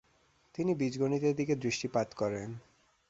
তিনি বীজগণিতের দিকে দৃষ্টিপাত করেন।